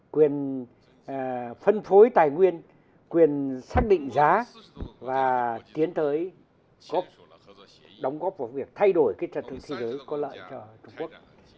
quyền phân phối tài nguyên quyền xác định giá và tiến tới đóng góp vào việc thay đổi trật tự thế giới có lợi cho trung quốc